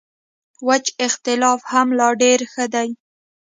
وچ اختلاف هم لا ډېر ښه دی.